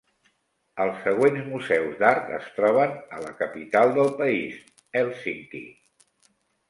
Els següents museus d'art es troben a la capital del país, Hèlsinki.